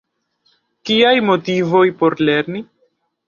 Kiaj motivoj por lerni?